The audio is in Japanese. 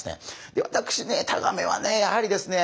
私ねタガメはねやはりですね